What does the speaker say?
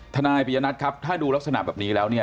นายปียนัทครับถ้าดูลักษณะแบบนี้แล้วเนี่ย